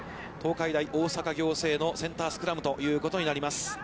東海大大阪仰星のセンタースクラムということになります。